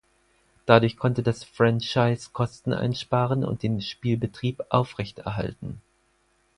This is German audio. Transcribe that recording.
Dadurch konnte das Franchise Kosten einsparen und den Spielbetrieb aufrechterhalten.